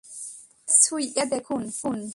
এটা ছুঁইয়ে দেখুন।